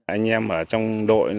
anh em ở trong đội